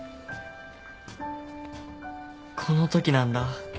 このときなんだ。